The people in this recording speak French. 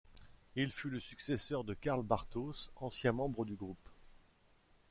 Il fut le successeur de Karl Bartos, ancien membre du groupe.